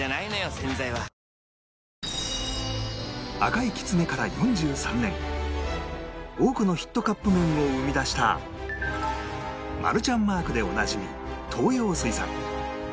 洗剤は赤いきつねから４３年多くのヒットカップ麺を生み出したマルちゃんマークでおなじみ東洋水産